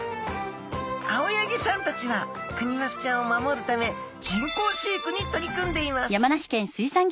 青柳さんたちはクニマスちゃんを守るため人工飼育に取り組んでいますですみません。